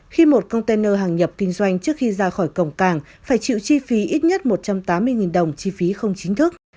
khi một container hàng nhập kinh doanh trước khi ra khỏi cổng càng phải chịu chi phí ít nhất một trăm tám mươi đồng chi phí không chính thức